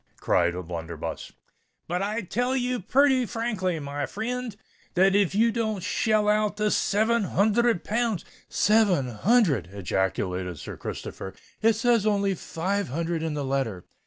cried O'Blunderbuss. "But I tell you purty frankly, my frind, that if ye don't shell out the seven hunthred pounds——" "Seven hundred!" ejaculated Sir Christopher. "It says only five hundred in the letter."